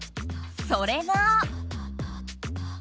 それが。